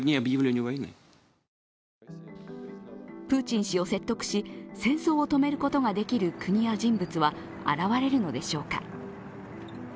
プーチン氏を説得し戦争を止めることができる国や人物は現れるのでしょうか。